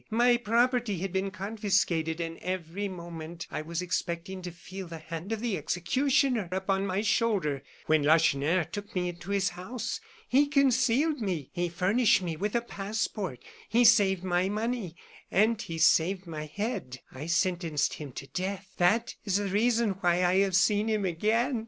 My property had been confiscated; and every moment I was expecting to feel the hand of the executioner upon my shoulder, when Lacheneur took me into his house. He concealed me; he furnished me with a passport; he saved my money, and he saved my head I sentenced him to death. That is the reason why I have seen him again.